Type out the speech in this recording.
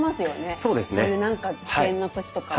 そういうなんか危険な時とかも。